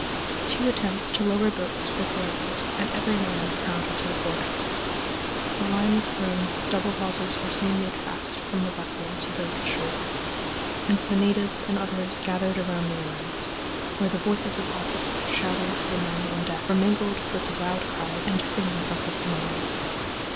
Two attempts to lower boats were failures and every man crowded to the forecastle. A line was thrown, double hawsers were soon made fast from the vessel to the shore, and the natives and others gathered around the lines, where the voices of officers shouting to the men on deck were mingled with the loud cries and singing of the Samoans.